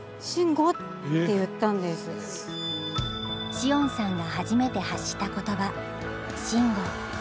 詩音さんが初めて発した言葉「しんご」。